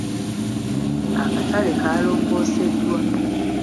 Akatale kaalongoseddwa.